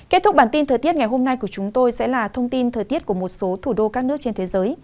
kết thúc bản tin thời tiết ngày hôm nay của chúng tôi sẽ là thông tin thời tiết của một số thủ đô các nước trên thế giới